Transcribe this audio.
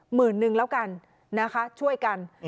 หมื่นนึงแล้วกันนะคะช่วยกัน